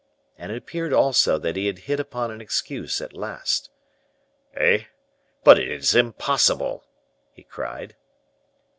And it appeared also that he had hit upon an excuse at last. "Eh! but it is impossible!" he cried.